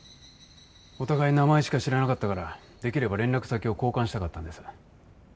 お互い名前しか知らなかったからできれば連絡先を交換したかったんです。